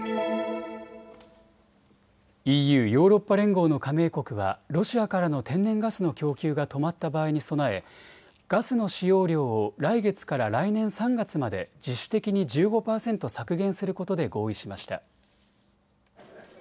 ＥＵ・ヨーロッパ連合の加盟国はロシアからの天然ガスの供給が止まった場合に備えガスの使用量を来月から来年３月まで自主的に１５％削減することで合意しました。